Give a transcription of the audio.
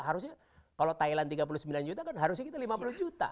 harusnya kalau thailand tiga puluh sembilan juta kan harusnya kita lima puluh juta